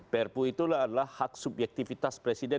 prpu itu adalah hak subyektivitas presiden